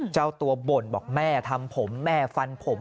เจ้าตัวบ่นบอกแม่ทำผมแม่ฟันผม